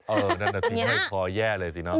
เออนั่นแบบที่ให้คอแย่เลยสิเนอะ